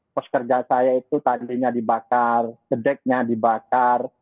pos kerja saya itu tadinya dibakar gedeknya dibakar